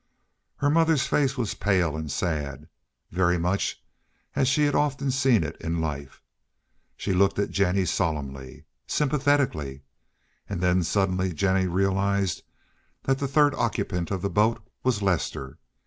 Her mother's face was pale and sad, very much as she had often seen it in life. She looked at Jennie solemnly, sympathetically, and then suddenly Jennie realized that the third occupant of the boat was Lester.